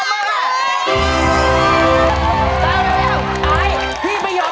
ไม่เงียบหรอก